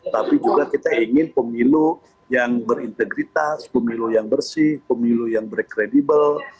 tapi juga kita ingin pemilu yang berintegritas pemilu yang bersih pemilu yang berkredibel